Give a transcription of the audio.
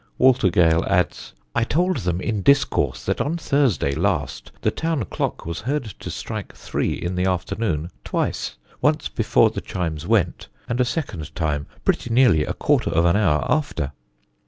Walter Gale adds: "I told them in discourse that on Thursday last the town clock was heard to strike 3 in the afternoon twice, once before the chimes went, and a 2nd time pretty nearly a 1/4 of an hour after....